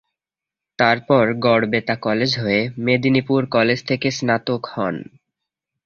তারপর গড়বেতা কলেজ হয়ে, মেদিনীপুর কলেজ থেকে স্নাতক হন।